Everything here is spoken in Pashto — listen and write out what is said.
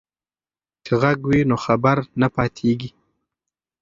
که غږ وي نو خبر نه پاتیږي.